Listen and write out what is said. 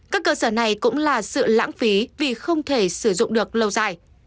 các cơ sở này cũng là sự lãng phí vì không thể sử dụng được lâu dài